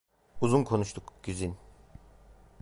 Uzun konuştuk, Güzin!